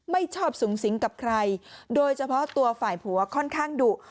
ไม่ชอบสูงสิงกับใครโดยเฉพาะตัวฝ่ายผัวค่อนข้างดุ